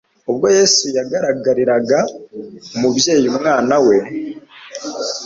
Ubwo Yesu yagaragariraga umubyeyi umwana we,